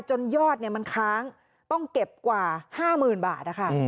จนยอดเนี่ยมันค้างต้องเก็บกว่าห้าหมื่นบาทนะคะ